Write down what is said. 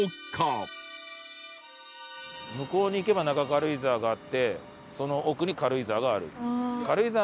向こうに行けば中軽井沢があってその奥に軽井沢がある。